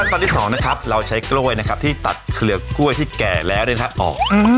ขั้นตอนที่๒นะครับเราใช้กล้วยนะครับที่ตัดเขลือกกล้วยที่แก่แล้วด้วยนะครับ